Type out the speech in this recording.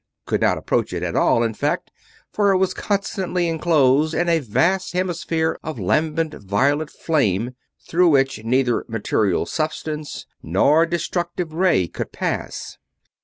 Could not approach it at all, in fact, for it was constantly inclosed in a vast hemisphere of lambent violet flame through which neither material substance nor destructive ray could pass.